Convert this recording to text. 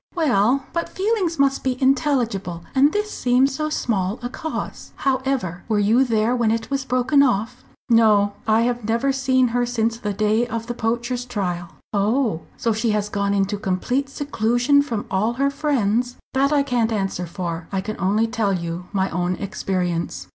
"Well, but feelings must be intelligible. And this seems so small a cause. However, were you there when it was broken off?" "No; I have never seen her since the day of the poacher's trial." "Oh! So she has gone into complete seclusion from all her friends?" "That I can't answer for. I can only tell you my own experience."